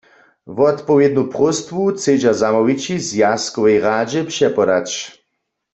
Wotpowědnu próstwu chcedźa zamołwići zwjazkowej radźe přepodać.